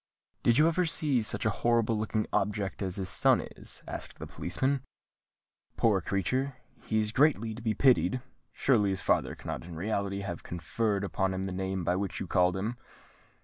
"Did you ever see such a horrible looking object as his son is?" asked the policeman. "Poor creature—he is greatly to be pitied! Surely his father cannot in reality have conferred upon him the name by which you called him?"